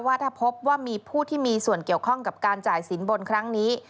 ว่าถ้าพบว่ามีผู้ที่มีส่วนเกี่ยวข้องกับการจ่ายสินบนครั้งนี้